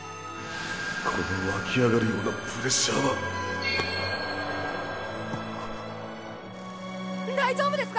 この湧き上がるようなプレッシャーは大丈夫ですか？